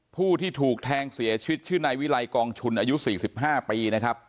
ผู้ที่ถูกแทงเสียชีวิตชื่อนายวิลัยกองชุนอายุ๔๕ปีนะครับ